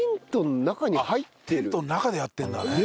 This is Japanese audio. テントの中でやってるんだあれ。